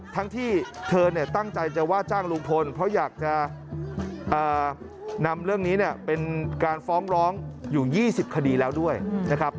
ทั้งที่เธอเนี่ยตั้งใจจะว่าจ้างลุงพลเพราะอยากจะนำเรื่องนี้เนี่ยเป็นการฟ้องร้องอยู่๒๐คดีแล้วด้วยนะครับ